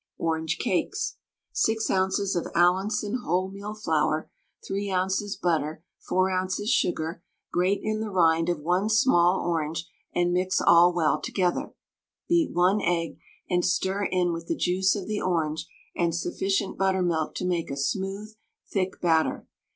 ORANGE CAKES. 6 oz. of Allinson wholemeal flour, 3 oz. butter, 4 oz. sugar, grate in the rind of 1 small orange, and mix all well together. Beat 1 egg, and stir in with the juice of the orange and sufficient buttermilk to make a smooth, thick batter.